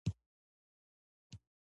د میرمنو کار د ودونو تاوتریخوالی کموي.